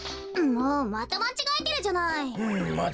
もうまたまちがえてるじゃない。